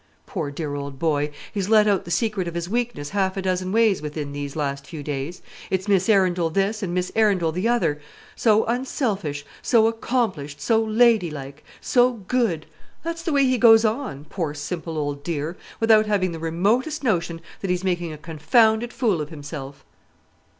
Poor dear old boy, he's let out the secret of his weakness half a dozen ways within these last few days. It's Miss Arundel this, and Miss Arundel the other; so unselfish, so accomplished, so ladylike, so good! That's the way he goes on, poor simple old dear; without having the remotest notion that he's making a confounded fool of himself."